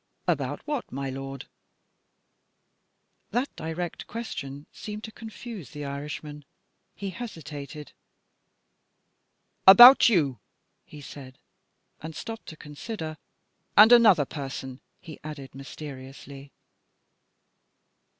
"About what, my lord?" That direct question seemed to confuse the Irishman. He hesitated. "About you," he said, and stopped to consider. "And another person," he added mysteriously.